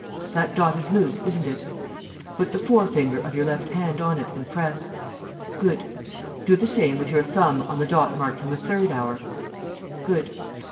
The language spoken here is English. That dot is loose, isn't it? Put the fore finger of your left hand on it and press. Good. Do the same with your thumb on the dot marking the third hour. Good.